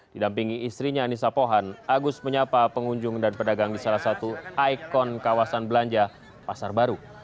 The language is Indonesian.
didampingi istrinya anissa pohan agus menyapa pengunjung dan pedagang di salah satu ikon kawasan belanja pasar baru